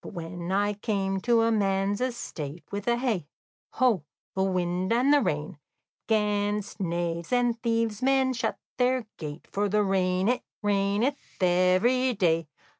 "But when I came to man's estate, With hey, ho, the wind and the rain, 'Gainst knaves and thieves men shut their gate, For the rain it raineth every day.